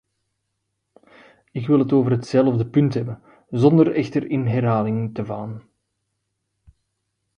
Ik wil het over hetzelfde punt hebben, zonder echter in herhalingen te vervallen.